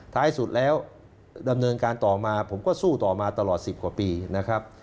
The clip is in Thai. ท้ายสุดแล้วดำเนินการต่อมาผมก็สู้ต่อมาตลอด๑๐กว่าปีนะครับ